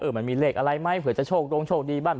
มันมีเลขอะไรไหมเผื่อจะโชคดงโชคดีบ้าง